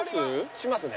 しますね。